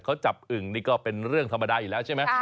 เขาจับอึ่งนี่ก็เป็นเรื่องธรรมดาอยู่แล้วใช่ไหม